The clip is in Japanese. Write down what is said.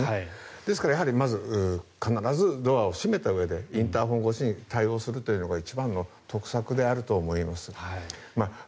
ですからやはり必ずドアを閉めたうえでインターホン越しに対応するのが一番の得策であると思います。